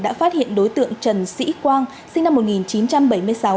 đã phát hiện đối tượng trần sĩ quang sinh năm một nghìn chín trăm bảy mươi sáu